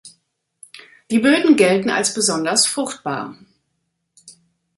Die Böden gelten als besonders fruchtbar.